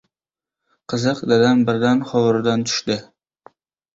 Qiziq, dadam birdan hovuridan tushdi.